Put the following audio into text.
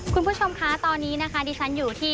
คุณผู้ชมคะตอนนี้นะคะดิฉันอยู่ที่